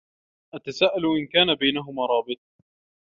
أتساءل إن كان بينهما رابط.